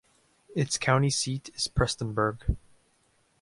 Its county seat is Prestonsburg.